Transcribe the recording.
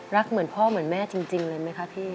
เหมือนพ่อเหมือนแม่จริงเลยไหมคะพี่